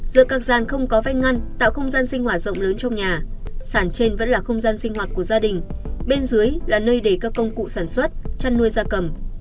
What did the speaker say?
giữa các gian không có vanh ngăn tạo không gian sinh hoạt rộng lớn trong nhà sản trên vẫn là không gian sinh hoạt của gia đình bên dưới là nơi để các công cụ sản xuất chăn nuôi gia cầm